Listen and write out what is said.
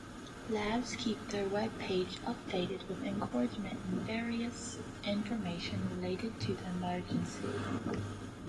Labs keeps their webpage updated with encouragement and various information related to the emergency.